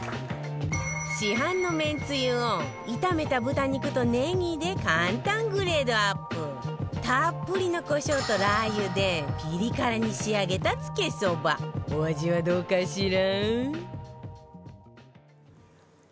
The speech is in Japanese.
市販のめんつゆを炒めた豚肉とネギで簡単グレードアップたっぷりのコショウとラー油でピリ辛に仕上げた、つけ蕎麦お味は、どうかしら？